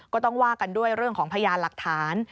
ก็ต้องว่ากันด้วยเรื่องของพยานหลักฐาน